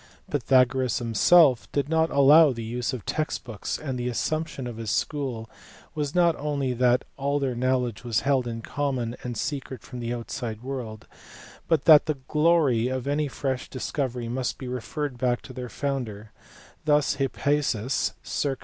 Pythagoras himself did not allow the use of text books, and the assumption of his school . was not only that all their knowledge was held in common and secret from the outside world, but that the glory of any fresh discovery must be referred back to their founder: thus Hippasus (circ.